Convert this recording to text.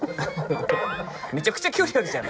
めちゃくちゃ距離あるじゃん。